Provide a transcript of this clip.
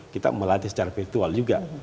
kita melatih secara virtual juga